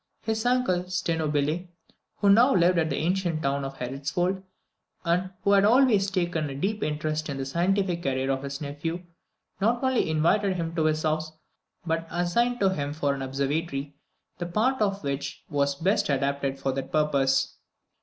His uncle, Steno Bille, who now lived at the ancient convent of Herritzvold, and who had always taken a deep interest in the scientific character of his nephew, not only invited him to his house, but assigned to him for an observatory the part of it which was best adapted for that purpose.